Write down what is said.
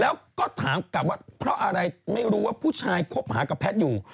แล้วก็ถามกลับว่าเพราะอะไรไม่รู้ว่าผู้ชายคบหากับแพทย์อยู่